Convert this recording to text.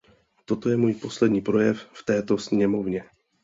Toto je můj poslední projev v této sněmovně.